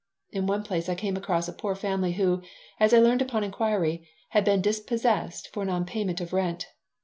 In one place I came across a poor family who as I learned upon inquiry had been dispossessed for non payment of rent.